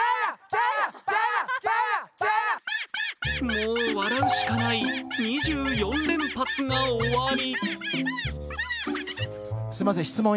もう笑うしかない２４連発が終わり